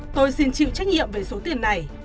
tôi xin chịu trách nhiệm về số tiền này